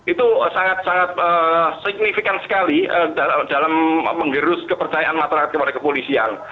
itu sangat sangat signifikan sekali dalam menggerus kepercayaan masyarakat kepada kepolisian